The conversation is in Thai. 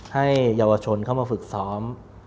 ให้เยาวชนเข้ามาฝึกซ้อม